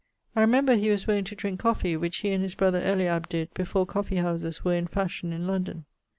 I remember he was wont to drinke coffee; which he and his brother Eliab did, before Coffee houses were in fashion in London.